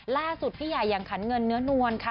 ล่าสุดภี่ใหญ่อย่างขันเงินเนื้อนวนคะ